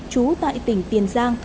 chú tại tỉnh tiền giang